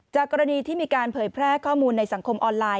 กรณีที่มีการเผยแพร่ข้อมูลในสังคมออนไลน